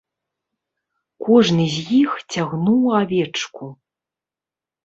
Кожны з іх цягнуў авечку.